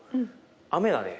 雨だね。